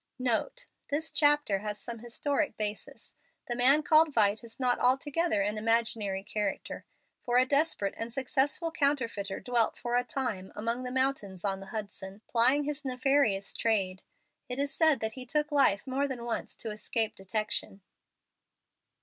NOTE This chapter has some historic basis. The man called "Vight" is not altogether an imaginary character, for a desperate and successful counterfeiter dwelt for a time among the mountains on the Hudson, plying his nefarious trade. It is said that he took life more than once to escape detection.